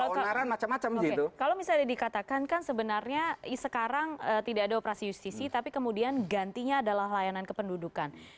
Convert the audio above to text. kalau misalnya dikatakan kan sebenarnya sekarang tidak ada operasi justisi tapi kemudian gantinya adalah layanan kependudukan